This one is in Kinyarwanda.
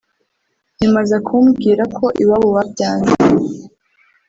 nyuma aza kumbwira ko iwabo babyanze